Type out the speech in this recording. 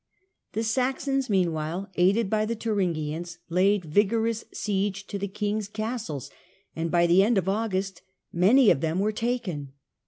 The Saxons meanwhile, aided by the Thuringians, laid vigorous siege to the king's castles, and by the end of August many of them were taken.